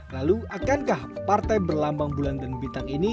lalu akankah partai berlambang bulan dan bintang ini